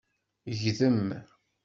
Gdem.